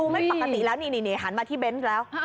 ไม่ปกติแล้วนี่หันมาที่เบนส์แล้ว